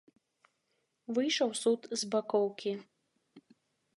Выйшаў суд з бакоўкі.